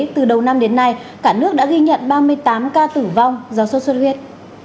từ đầu năm đến nay cả nước đã ghi nhận ba mươi tám ca tử vong do sốt xuất huyết